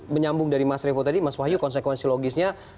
menyambung dari mas revo tadi mas wahyu konsekuensi logisnya